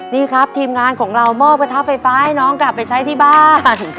นี่ครับทีมงานของเรามอบกระทะไฟฟ้าให้น้องกลับไปใช้ที่บ้าน